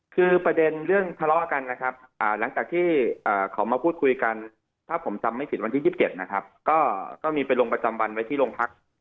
คือประเด็นเรื่องทะเลาะกันนะครับหลังจากที่เขามาพูดคุยกันถ้าผมจำไม่ผิดวันที่๒๗นะครับก็มีไปลงประจำวันไว้ที่โรงพัก